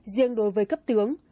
riêng đối với cấp tướng